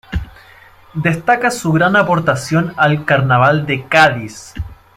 Destaca su gran aportación al Carnaval de Cádiz.